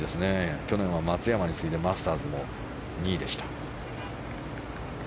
去年は松山に次いでマスターズも２位でした。